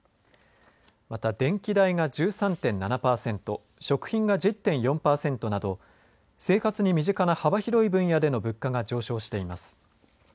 また、電気代が１３．７パーセント食品が１０．４パーセントなど生活に身近な幅広い分野での物価が上昇しています。